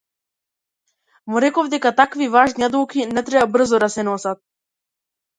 Му реков дека такви важни одлуки не треба брзо да се носат.